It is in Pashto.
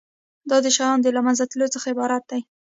دا د شیانو له منځه تلو څخه عبارت دی.